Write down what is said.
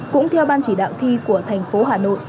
cũng theo ban chỉ đạo thi của thành phố hà nội